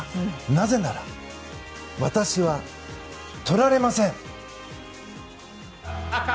なぜなら、私は、とられません。